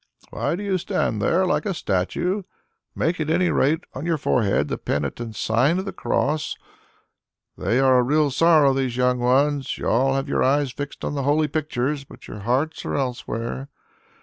"Why do you stand there, like a statue? Make at any rate on your forehead the penitent's sign of the cross! They are a real sorrow, these young ones! You all have your eyes fixed on the holy pictures, but your hearts are elsewhere.